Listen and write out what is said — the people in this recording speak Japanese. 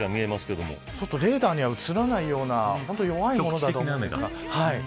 レーダーに映らないような弱いものだと思います。